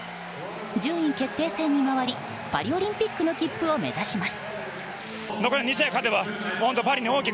順位決定戦に回りパリオリンピックの切符を目指します。